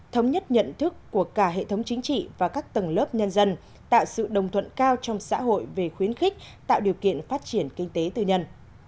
thống nhất nhận thức của cả hệ thống chính trị và các tầng lớp nhân dân tạo sự đồng thuận cao trong xã hội về khuyến khích tạo điều kiện phát triển kinh tế tư nhân